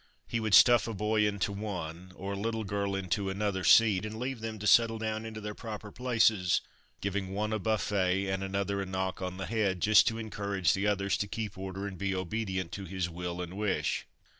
He would stuff a boy into one, or a little girl into another seat, and leave them to settle down into their proper places; giving one a buffet and another a knock on the head, just to encourage the others to keep order and be obedient to his will and wish.